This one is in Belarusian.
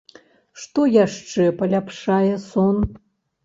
Што яшчэ паляпшае сон?